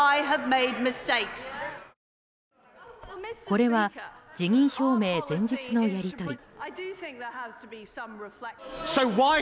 これは辞任表明前日のやり取り。